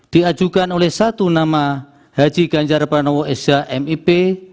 diajukan oleh satu nama haji ganjar panowo esa mip